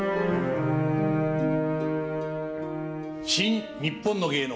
「新・にっぽんの芸能」。